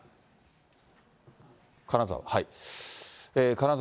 金沢？